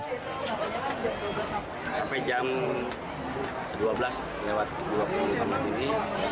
sampai jam dua belas lewat dua puluh empat malam ini